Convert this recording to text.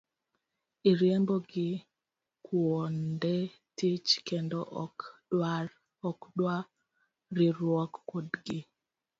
Iriembo gi kuonde tich kendo ok dwa riwruok kodgi.